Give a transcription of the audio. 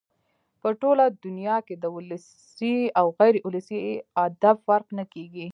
په ټوله دونیا کښي د ولسي او غیر اولسي ادب فرق نه کېږي.